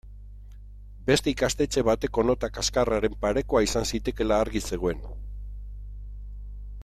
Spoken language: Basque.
Beste ikastetxe bateko nota kaxkarraren parekoa izan zitekeela argi zegoen.